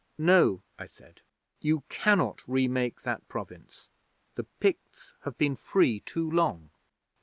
'"No," I said. "You cannot remake that Province. The Picts have been free too long."